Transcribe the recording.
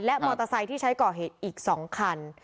มอเตอร์ไซค์ที่ใช้ก่อเหตุอีก๒คัน